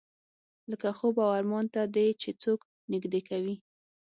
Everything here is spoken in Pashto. لکه خوب او ارمان ته دې چې څوک نږدې کوي.